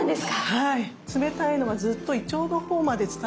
はい。